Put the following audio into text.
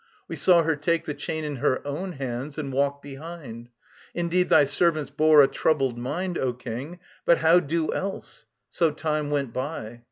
We saw her take The chain in her own hands and walk behind. Indeed thy servants bore a troubled mind, O King, but how do else? So time went by.